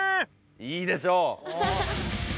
いいでしょう！